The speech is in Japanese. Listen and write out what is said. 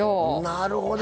なるほど。